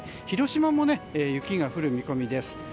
広島も雪が降る見込みです。